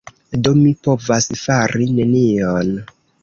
Do mi povas fari nenion!